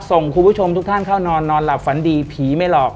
ส่งคุณผู้ชมทุกท่านเข้านอนนอนหลับฝันดีผีไม่หลอก